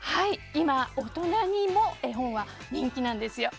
今、大人にも絵本は人気なんですよ。